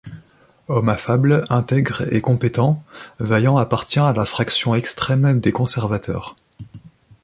Homme affable, intègre et compétent, Vaillant appartient à la fraction extrême des conservateurs.